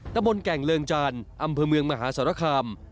ตะบนแก่งเริงจานอำเภอเมืองมหาสารคาม